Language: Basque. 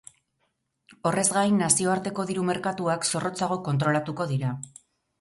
Horrez gain, nazioarteko diru merkatuak zorrotzago kontrolatuko dira.